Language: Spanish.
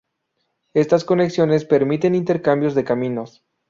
Estas conexiones permiten intercambios de caminos.